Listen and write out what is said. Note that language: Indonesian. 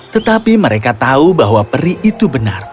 tetapi mereka tahu bahwa peri itu benar